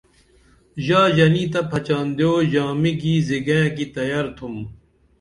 ژا ژنی تہ پھچان دیو ژامی گی زِگئیں کی تیار تُھم